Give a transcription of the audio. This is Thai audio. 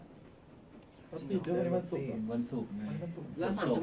แล้ว๓ชั่วโมงล่ะ